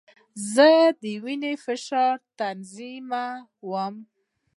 زړه د وینې فشار تنظیموي.